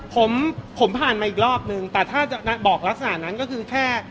ผมผมผ่านมาอีกรอบนึงแต่ถ้าจะบอกลักษณะนั้นก็คือแค่